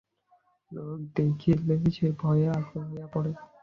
লোক দেখিলে সে ভয়ে আকুল হইয়া পড়ে।